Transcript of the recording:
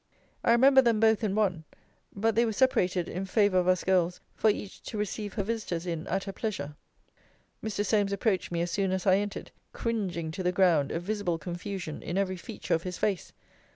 I remember them both in one: but they were separated in favour of us girls, for each to receive her visitors in at her pleasure. Mr. Solmes approached me as soon as I entered, cringing to the ground, a visible confusion in every feature of his face.